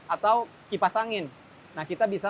atau kipas angin nah kita bisa